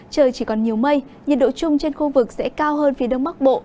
trời chỉ còn nhiều mây nhiệt độ chung trên khu vực sẽ cao hơn phía đông bắc bộ